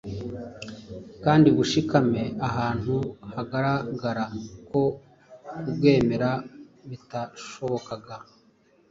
kandi bushikame ahantu hagaragaraga ko kubwemera bitashobokaga?